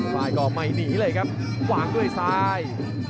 ฝ่ายก็ไม่หนีเลยครับวางด้วยซ้าย